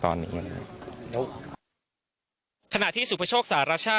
สองน้องนักเตทีมชัตต์ไทย